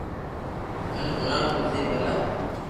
مني ھڻاو تو سھي ڀلا